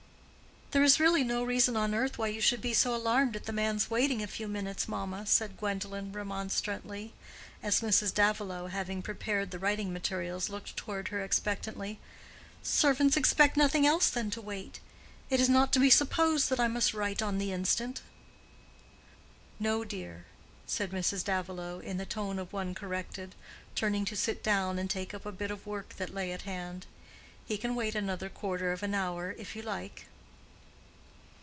"There is really no reason on earth why you should be so alarmed at the man's waiting a few minutes, mamma," said Gwendolen, remonstrantly, as Mrs. Davilow, having prepared the writing materials, looked toward her expectantly. "Servants expect nothing else than to wait. It is not to be supposed that I must write on the instant." "No, dear," said Mrs. Davilow, in the tone of one corrected, turning to sit down and take up a bit of work that lay at hand; "he can wait another quarter of an hour, if you like."